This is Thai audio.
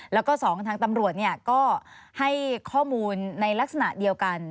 แล้วก็๒ทางตำรวจก็ให้ข้อมูลในลักษณะเดียวกัน